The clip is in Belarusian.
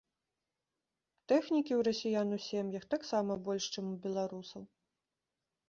Тэхнікі ў расіян у сем'ях таксама больш, чым у беларусаў.